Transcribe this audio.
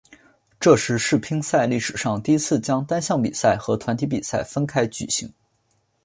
这是世乒赛历史上第一次将单项比赛和团体比赛分开举行。